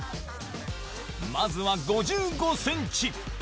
まずは５５センチ。